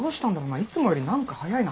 いつもより何か早いな。